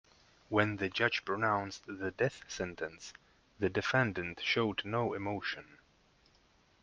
When the judge pronounced the death sentence, the defendant showed no emotion.